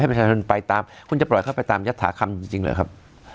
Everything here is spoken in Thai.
ประชาชนไปตามคุณจะปล่อยเข้าไปตามยัตถาคำจริงเหรอครับ